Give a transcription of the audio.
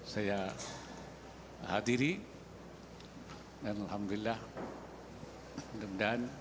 saya hadiri dan alhamdulillah dan